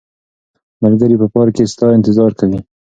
ملګري په پارک کې ستا انتظار کوي.